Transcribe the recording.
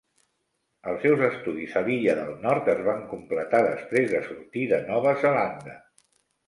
Els seus estudis a l'illa del Nord es van completar després de sortir de Nova Zelanda.